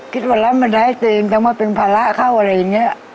คิดว่านั้นมันได้ตื่นต้องมาเป็นภาระเข้าอะไรอย่างเงี้ย